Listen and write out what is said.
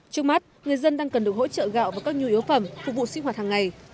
trước mắt người dân đang cần được hỗ trợ gạo và các nhu yếu phẩm phục vụ sinh hoạt hàng ngày